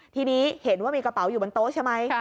ทีนี้เห็นว่ามีกระเป๋าอยู่บนโต๊ะใช่ไหม